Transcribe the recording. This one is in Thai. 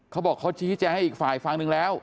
เขาบอกเขาชี้แจงให้อีกฝ่ายฟังหนึ่งแล้ว